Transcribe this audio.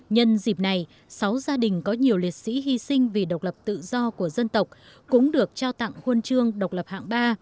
nhân dịp này sáu gia đình có nhiều liệt sĩ hy sinh vì độc lập tự do của dân tộc cũng được trao tặng huân chương độc lập hạng ba